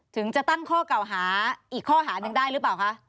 ถึงจะตั้งข้อเก่าหาอีกข้อหาหนึ่งได้หรือเปล่าคะ